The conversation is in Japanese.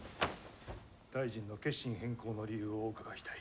大臣の決心変更の理由をお伺いしたい。